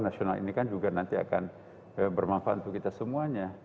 nasional ini kan juga nanti akan bermanfaat untuk kita semuanya